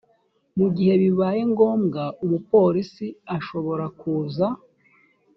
mu gihe bibaye ngombwa umupolisi ashobora kuza